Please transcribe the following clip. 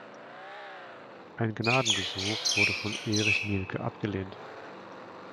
Ein Gnadengesuch wurde von Erich Mielke abgelehnt.